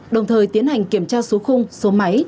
đồng thời tiến hành kiểm tra số khung số máy